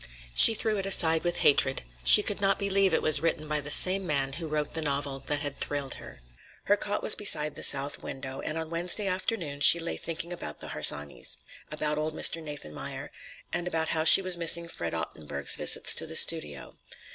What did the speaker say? She threw it aside with hatred. She could not believe it was written by the same man who wrote the novel that had thrilled her. Her cot was beside the south window, and on Wednesday afternoon she lay thinking about the Harsanyis, about old Mr. Nathanmeyer, and about how she was missing Fred Ottenburg's visits to the studio.